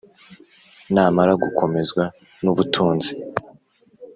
Namara gukomezwa n ubutunzi